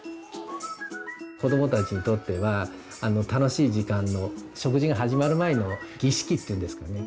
子どもたちにとっては楽しい時間の食事が始まる前の儀式っていうんですかね。